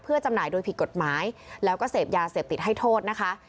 จำหน่ายโดยผิดกฎหมายแล้วก็เสพยาเสพติดให้โทษนะคะ